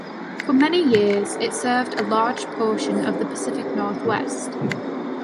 For many years, it served a large portion of the Pacific Northwest.